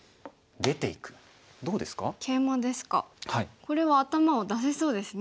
これはアタマを出せそうですね。